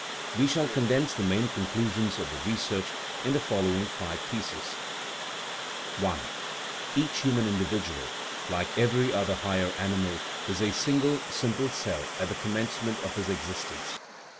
We shall condense the main conclusions of research in the following five theses: THE RIDDLE OF THE UNIVERSE I. Each human individual, like every other higher animal, is a single simple cell at the commencement of his existence.